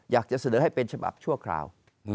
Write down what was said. อยากจะเสนอให้เป็นฉบับชั่วคราว